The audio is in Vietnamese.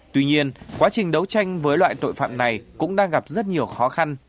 tuy nhiên quá trình đấu tranh với loại tội phạm này cũng đang gặp rất nhiều khó khăn